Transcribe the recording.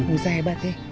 ustadz hebat ya